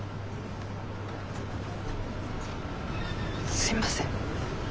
すいません。